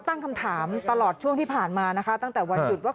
ตั้งคำถามตลอดช่วงที่ผ่านมานะคะตั้งแต่วันหยุดว่า